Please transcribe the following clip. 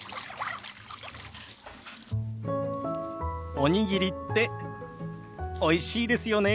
おにぎりっておいしいですよね。